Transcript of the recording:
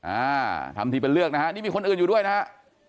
อ่าทำทีเป็นเลือกนะฮะนี่มีคนอื่นอยู่ด้วยนะฮะ